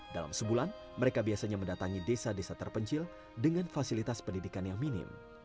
dalam sebulan mereka biasanya mendatangi desa desa terpencil dengan fasilitas pendidikan yang minim